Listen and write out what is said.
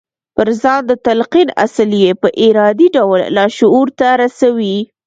پر ځان د تلقين اصل يې په ارادي ډول لاشعور ته رسوي.